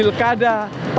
mengapa harus depok